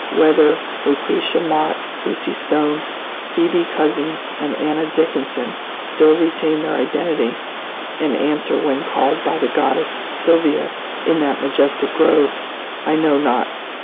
Whether Lucretia Mott, Lucy Stone, Phoebe Couzins, and Anna Dickinson still retain their identity, and answer when called by the goddess Sylvia in that majestic grove, I know not.